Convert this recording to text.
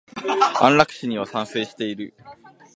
安楽死には賛成している。